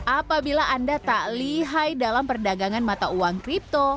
apabila anda tak lihai dalam perdagangan mata uang kripto